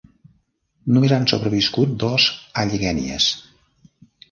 Només han sobreviscut dos Alleghenies.